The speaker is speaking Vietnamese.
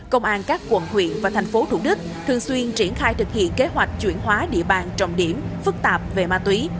công an các quận huyện và thành phố thủ đức thường xuyên triển khai thực hiện kế hoạch chuyển hóa địa bàn trọng điểm phức tạp về ma túy